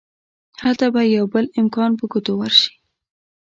هلته به يو بل امکان په ګوتو ورشي.